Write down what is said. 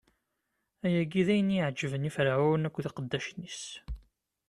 Ayagi d ayen i yeɛeǧben i Ferɛun akked iqeddacen-is.